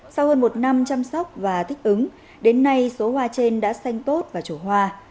sau hơn một năm chăm sóc và thích ứng đến nay số hoa trên đã xanh tốt và trổ hoa